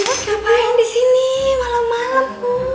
ibu ngapain disini malem malem